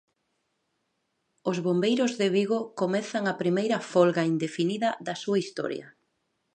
Os bombeiros de Vigo comezan a primeira folga indefinida da súa historia.